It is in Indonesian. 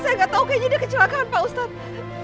saya nggak tahu kayaknya ada kecelakaan pak ustadz